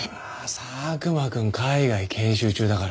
佐久間くん海外研修中だから。